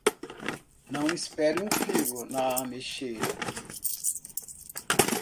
Não espere um figo na ameixeira!